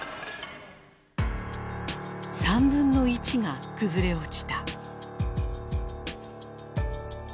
３分の１が崩れ落ちた。